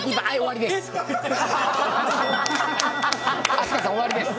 飛鳥さん終わりです。